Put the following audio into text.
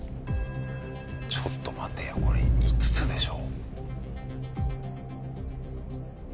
ちょっと待てよこれ５つでしょ。